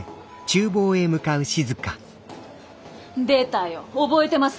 出たよ覚えてます